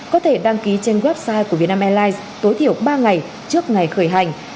có thể đăng ký trên website của việt nam airlines tối thiểu ba ngày trước ngày khởi hành